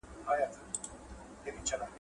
پېژندلی یې خپل کور وو خپله خونه .